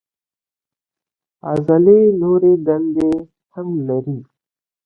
عضلې نورې دندې هم لري.